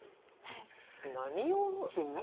何用なの？